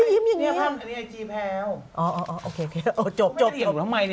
นี่ไม่จริงเหรอไม่ใช่